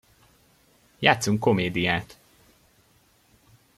Játsszunk komédiát!